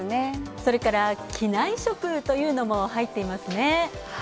それから、機内食というのも入っていますね。